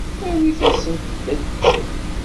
Awit-asent-d ad ččen.